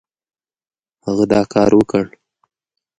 هغه دا کار وکړ.